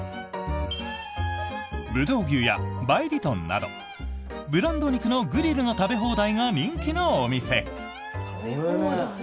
葡萄牛や梅里豚などブランド肉のグリルの食べ放題が人気のお店。